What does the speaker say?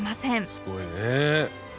すごいね。